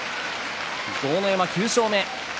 豪ノ山、９勝目。